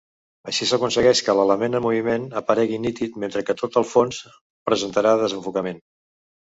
Així s'aconsegueix que l'element en moviment aparegui nítid mentre que tot el fons presentarà desenfocament.